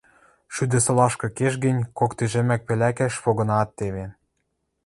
Шӱдӹ солашкы кеш гӹнь, кок тӹжемӓк пелӓкӓш погынаат теве...